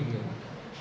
itu kata beliau